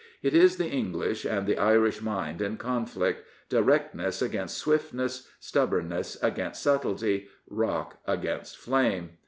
It is the English and the Irish mind in conflict, directness against swiftness, stubbornness against subtlety, rock against flame.